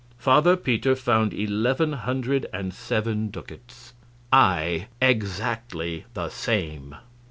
Father Peter found eleven hundred and seven ducats I exactly the same.